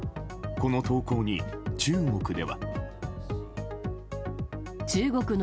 この投稿に中国では。